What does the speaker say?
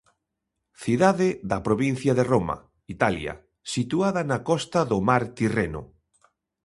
Cidade da provincia de Roma, Italia, situada na costa do Mar Tirreno.